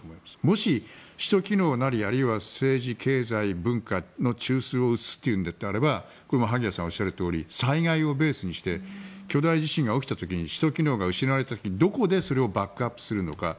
もし、首都機能なり政治、経済、文化の中枢を移すというのであればこれは萩谷さんの言うとおり災害をベースにして首都機能が失われた時にどこでそれをバックアップするのか